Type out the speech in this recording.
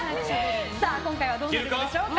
今回はどうなるんでしょうか。